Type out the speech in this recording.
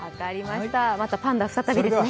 またパンダ再びですね。